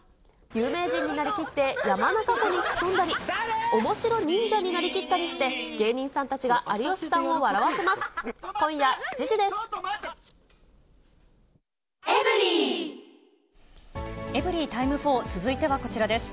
有名人になりきって、山中湖に潜んだり、おもしろ忍者になりきったりして、芸人さんたちが有吉さんを笑わせます。